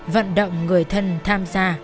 vận động người thân tham gia